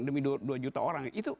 demi dua juta orang